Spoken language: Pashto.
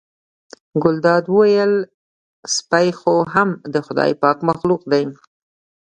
ګلداد وویل سپی خو هم د خدای پاک مخلوق دی.